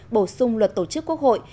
bổ sung luật tổ chức quốc hội